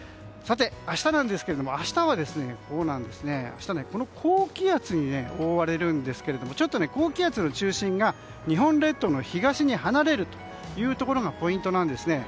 明日なんですけども明日はこの高気圧に覆われるんですがちょっと高気圧の中心が日本列島の東に離れるというところがポイントなんですね。